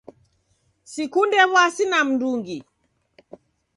Sikunde wuasi na mndungi